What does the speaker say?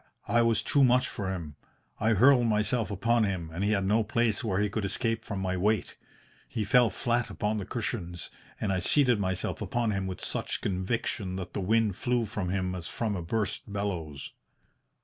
I was too much for him. I hurled myself upon him, and he had no place where he could escape from my weight. He fell flat upon the cushions and I seated myself upon him with such conviction that the wind flew from him as from a burst bellows.